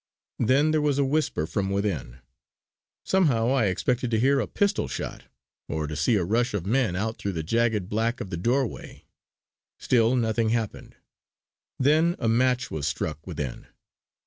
Then there was a whisper from within; somehow I expected to hear a pistol shot or to see a rush of men out through the jagged black of the doorway. Still nothing happened. Then a match was struck within.